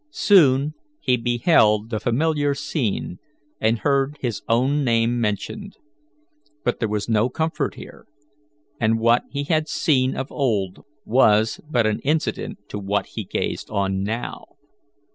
Soon he beheld the familiar scene, and heard his own name mentioned. But there was no comfort here, and what he had seen of old was but an incident to what he gazed on now.